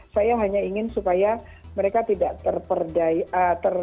saya hanya ingin supaya mereka tidak terperdaya